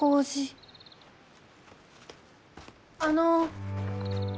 あの。